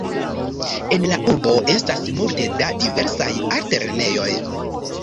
En la urbo estas multe da diversaj altlernejoj.